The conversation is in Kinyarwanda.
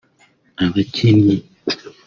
Abakinnyi